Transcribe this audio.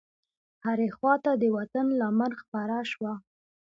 هرې خواته د وطن لمن خپره شوه.